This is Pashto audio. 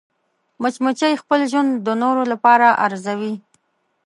مچمچۍ خپل ژوند د نورو لپاره ارزوي